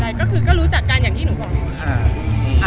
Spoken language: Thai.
ใช่ก็คือก็รู้จักกันอย่างที่หนูบอก